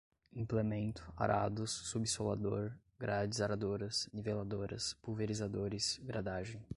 implemento, arados, subsolador, grades aradoras, niveladoras, pulverizadores, gradagem